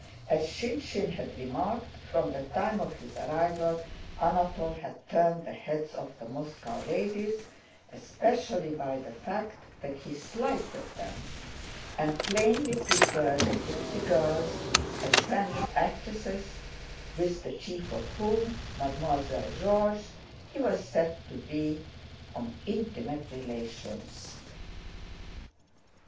As Shinshín had remarked, from the time of his arrival Anatole had turned the heads of the Moscow ladies, especially by the fact that he slighted them and plainly preferred the gypsy girls and French actresses—with the chief of whom, Mademoiselle George, he was said to be on intimate relations.